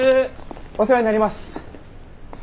お世話になります。